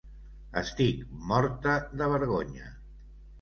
Estic morta de vergonya.